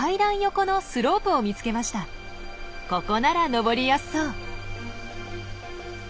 ここなら登りやすそう！